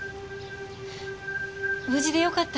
無事でよかった。